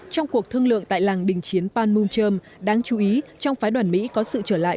trong cuộc thương lượng tại làng đình chiến panmunjom đáng chú ý trong phái đoàn mỹ có sự trở lại